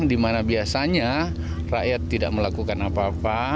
di mana biasanya rakyat tidak melakukan apa apa